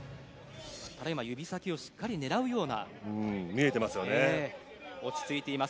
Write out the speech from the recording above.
指先をしっかり狙うような落ち着いています